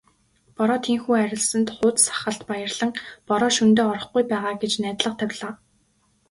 Бороо тийнхүү арилсанд хууз сахалт баярлан "Бороо шөнөдөө орохгүй байгаа" гэж найдлага тавилаа.